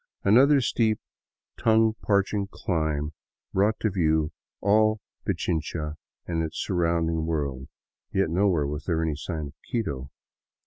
Another steep, tongue parching dimb brought to view all Pichincha and its surrounding world, yet nowhere was there any sign of Quito.